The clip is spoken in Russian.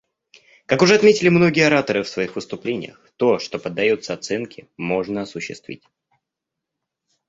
Как уже отметили многие ораторы в своих выступлениях, «то, что поддается оценке, можно осуществить».